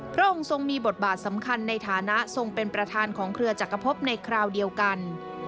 พระองค์ทรงมีบทบาทสำคัญในฐานะทรงเป็นประธานของเครือจักรพบในคราวเดียวกัน